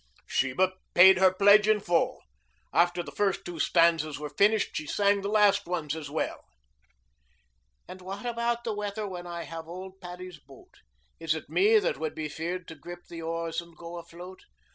Sheba paid her pledge in full. After the first two stanzas were finished she sang the last ones as well: "An' what about the wather when I'd have ould Paddy's boat, Is it me that would be feared to grip the oars an' go afloat?